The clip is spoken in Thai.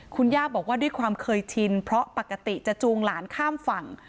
คุณย่าบอกว่าด้วยความเคยชินเพราะปกติจะจูงหลานข้ามฝั่ง